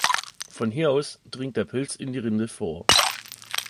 Von hier aus dringt der Pilz in die Rinde vor.